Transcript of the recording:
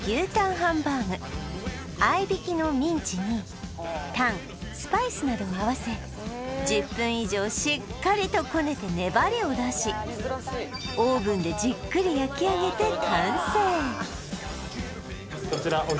ハンバーグ合い挽きのミンチにタンスパイスなどを合わせ１０分以上しっかりとこねて粘りを出しじっくりこちらおおっ！